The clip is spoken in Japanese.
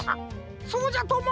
そうじゃとも。